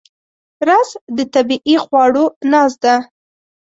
رس د طبیعي خواړو ناز ده